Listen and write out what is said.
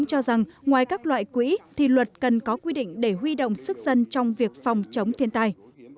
trong các loại quỹ thì luật cần có quy định để huy động sức dân trong việc phòng chống thiên tai